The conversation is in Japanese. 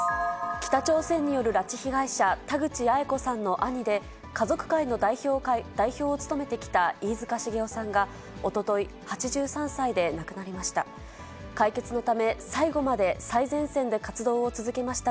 北朝鮮による拉致被害者、田口八重子さんの兄で、家族会の代表を務めてきた飯塚繁雄さんがおととい、８３歳で亡くなりました。